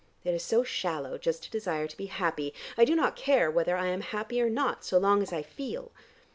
It is so shallow just to desire to be happy. I do not care whether I am happy or not, so long as I feel.